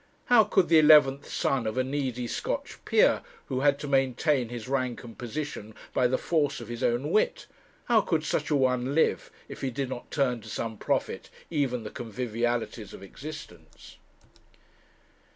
How could the eleventh son of a needy Scotch peer, who had to maintain his rank and position by the force of his own wit, how could such a one live, if he did not turn to some profit even the convivialities of existence?